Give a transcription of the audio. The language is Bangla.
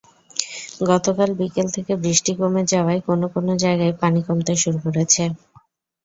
গতকাল বিকেল থেকে বৃষ্টি কমে যাওয়ায় কোনো কোনো জায়গায় পানি কমতে শুরু করেছে।